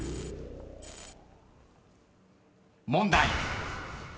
［問題］